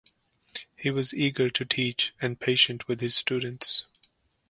He was eager to teach and patient with his students.